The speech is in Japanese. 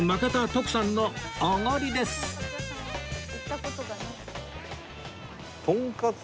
とんかつ。